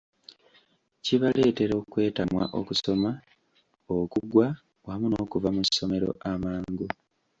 Kibaleetera okwetamwa okusoma, okugwa, wamu n’okuva mu ssomero amangu.